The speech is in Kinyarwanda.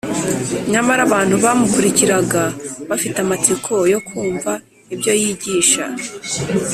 . Nyamara abantu bamukurikiraga bafite amatsiko yo kumva ibyo yigisha.